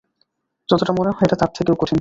যতটা মনে হয় এটা তার থেকেও কঠিন।